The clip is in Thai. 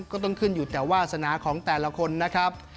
ก็ต้องขึ้นอยู่แต่วาสนาของแต่ละคนนะครับ